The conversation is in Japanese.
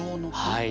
はい。